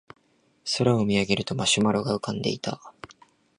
空を見上げるとマシュマロが浮かんでいた